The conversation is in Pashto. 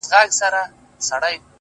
زه چي د شپې خوب كي ږغېږمه دا ـ